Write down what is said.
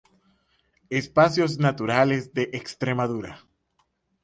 Espacios Naturales de Extremadura